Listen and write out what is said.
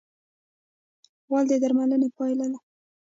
غول د درملنې پایله ده.